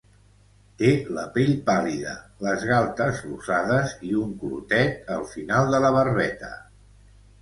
Té la pell pàl·lida, les galtes rosades, i un clotet al final de la barbeta.